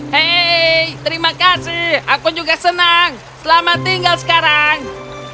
hei terima kasih aku juga senang selamat tinggal sekarang